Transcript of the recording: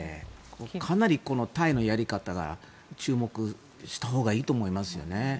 かなりタイのやり方を注目したほうがいいと思いますよね。